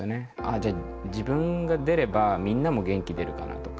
じゃあ自分が出ればみんなも元気出るかなとか。